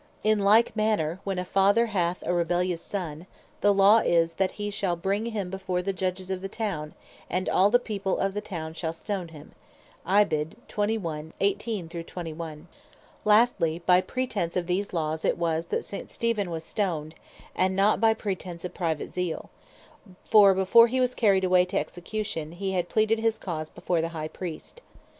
In like manner when a Father hath a rebellious Son, the Law is (Deut. 21. 18.) that he shall bring him before the Judges of the Town, and all the people of the Town shall Stone him. Lastly, by pretence of these Laws it was, that St. Steven was Stoned, and not by pretence of Private Zeal: for before hee was carried away to Execution, he had Pleaded his Cause before the High Priest.